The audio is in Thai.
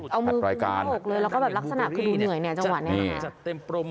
เอามือหน้าอกเลยแล้วก็แบบลักษณะคือดูเหนื่อยเนี่ยจังหวะนี้